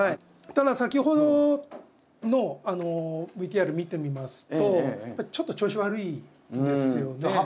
ただ先ほどのあのＶＴＲ見てみますとちょっと調子悪いですよね。